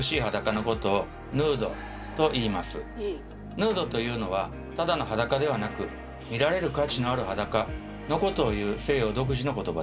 ヌードというのはただの裸ではなく「見られる価値のある裸」のことをいう西洋独自の言葉です。